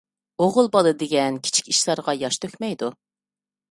ئوغۇل بالا دېگەن كىچىك ئىشلارغا ياش تۆكمەيدۇ.